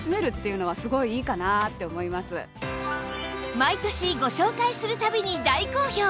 毎年ご紹介する度に大好評